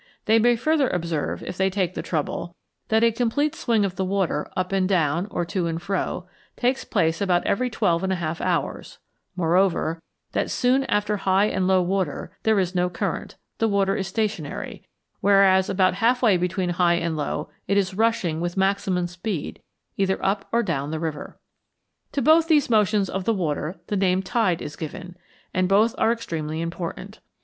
They may further observe, if they take the trouble, that a complete swing of the water, up and down, or to and fro, takes place about every twelve and a half hours; moreover, that soon after high and low water there is no current the water is stationary, whereas about half way between high and low it is rushing with maximum speed either up or down the river. To both these motions of the water the name tide is given, and both are extremely important.